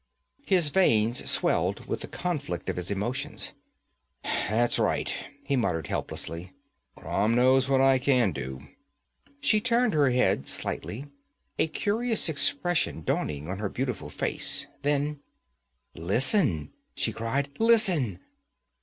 His veins swelled with the conflict of his emotions. 'That's right,' he muttered helplessly. 'Crom knows what I can do.' She turned her head slightly, a curious expression dawning on her beautiful face. Then: 'Listen!' she cried. 'Listen!'